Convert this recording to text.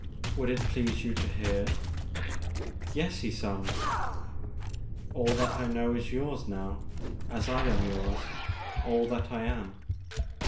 Would it please you to hear ?'* '*Yes, Ysonde." All that I know is yours, now, as I am yours, all that I am.